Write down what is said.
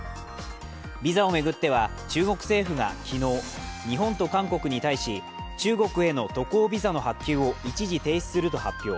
ビザを巡っては、中国政府が昨日日本と韓国に対し中国への渡航ビザの発給を一時停止すると発表。